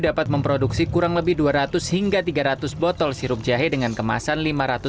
dapat memproduksi kurang lebih dua ratus hingga tiga ratus botol sirup jahe dengan kemasan lima ratus